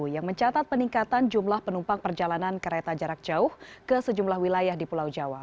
yang mencatat peningkatan jumlah penumpang perjalanan kereta jarak jauh ke sejumlah wilayah di pulau jawa